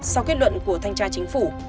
sau kết luận của thanh tra chính phủ